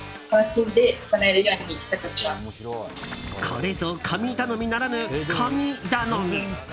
これぞ、神頼みならぬ髪頼み！